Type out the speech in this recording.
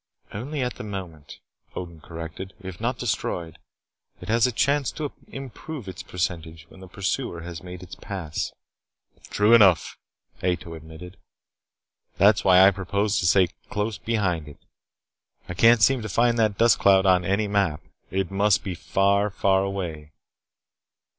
"Only at that moment," Odin corrected. "If not destroyed, it has a chance to improve its percentage when the pursuer has made its pass." "True enough," Ato admitted. "That is why I propose to stay close behind it. I can't seem to find that dust cloud on any map. It must be far, far away."